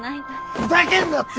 ふざけんなって！